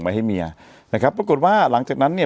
ให้เมียนะครับปรากฏว่าหลังจากนั้นเนี่ย